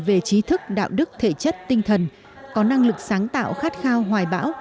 về trí thức đạo đức thể chất tinh thần có năng lực sáng tạo khát khao hoài bão